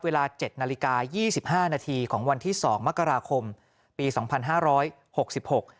เวลาเจ็ดนาฬิกายี่สิบห้านาทีของวันที่สองมกราคมปีสองพันห้าร้อยหกสิบหก